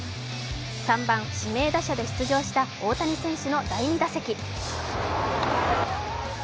３番・指名打者で出場した大谷選手の第２打席。